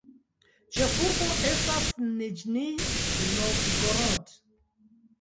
Ĉefurbo estas Niĵnij Novgorod.